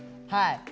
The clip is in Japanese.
はい。